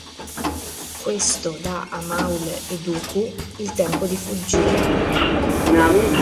Questo dà a Maul e Dooku il tempo di fuggire.